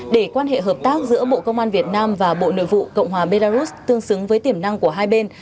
để quan hệ hợp tác giữa bộ công an việt nam và bộ nội vụ cộng hòa belarus tương xứng với tiềm năng của hai bên